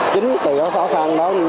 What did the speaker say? chính từ cái khó khăn đó